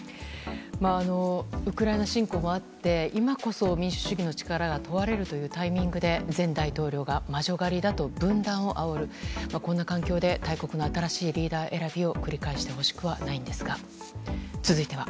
ウクライナ侵攻もあって今こそ民主主義の力が問われるというタイミングで前大統領が魔女狩りだと分断をあおる環境で大国の新しいリーダー選びを繰り返してほしくはないんですが。